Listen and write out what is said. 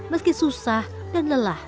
meski susah dan lelah